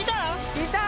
いた。